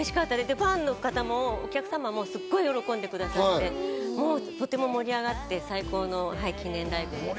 ファンの方もお客様もすっごい喜んでくれて、とても盛り上がって最高の記念ライブでした。